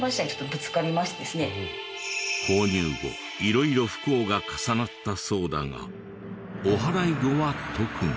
購入後色々不幸が重なったそうだがお祓い後は特に。